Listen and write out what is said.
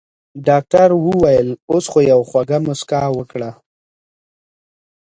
ډاکټر وويل خو اوس يوه خوږه مسکا وکړه.